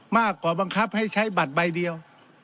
มากกว่าบังคับให้ใช้บัตรใบเดียว